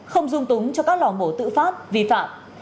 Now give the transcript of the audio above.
không dung túng cho các lò mổ tự phát vi phạm